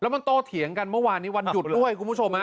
มันโตเถียงกันเมื่อวานนี้วันหยุดด้วยคุณผู้ชม